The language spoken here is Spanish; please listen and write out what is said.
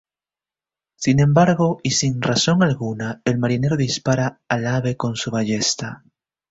Sin embargo y sin razón alguna, el marinero dispara al ave con su ballesta.